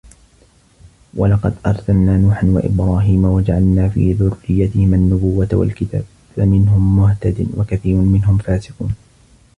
وَلَقَد أَرسَلنا نوحًا وَإِبراهيمَ وَجَعَلنا في ذُرِّيَّتِهِمَا النُّبُوَّةَ وَالكِتابَ فَمِنهُم مُهتَدٍ وَكَثيرٌ مِنهُم فاسِقونَ